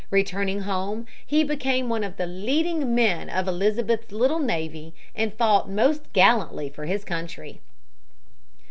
Returning home, he became one of the leading men of Elizabeth's little navy and fought most gallantly for his country.